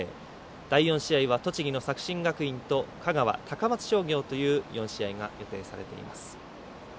第４試合は栃木の作新学院と香川、高松商業という４試合が予定されています。